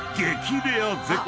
レア絶景］